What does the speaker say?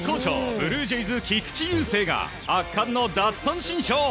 ブルージェイズ、菊池雄星が圧巻の奪三振ショー。